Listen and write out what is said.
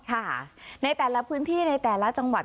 ค่ะในแต่ละพื้นที่ในแต่ละจังหวัด